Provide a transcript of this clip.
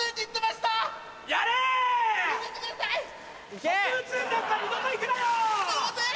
すいません！